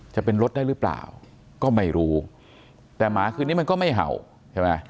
จะเป็นรถได้หรือเปล่าก็ไม่รู้แต่หมาคืนนี้มันก็ไม่เห่าใช่ไหม